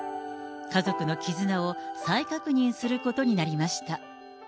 家族のきずなを再確認することになりました。